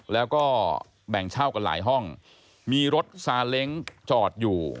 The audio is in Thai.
แล้วก็แบ่งเช่ากันหลายห้องมีรถซาเล้งจอดอยู่